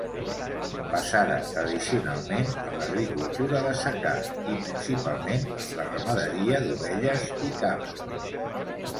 Basada tradicionalment en l'agricultura de secà i principalment en la ramaderia d'ovelles i cabres.